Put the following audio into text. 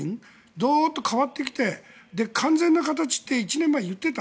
ドッと変わってきて完全な形と１年前に言っていた。